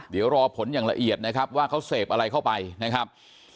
เดี๋ยวรอผลอย่างละเอียดนะครับว่าเขาเสพอะไรเข้าไปนะครับ